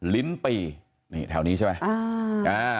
ลิ้นปีนี่แถวนี้ใช่ไหม